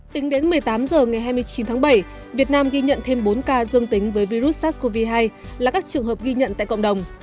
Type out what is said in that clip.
tính đến một mươi tám h ngày hai mươi chín tháng bảy việt nam ghi nhận thêm bốn ca dương tính với virus sars cov hai là các trường hợp ghi nhận tại cộng đồng